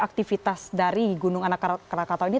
aktivitas dari gunung anak rakatau ini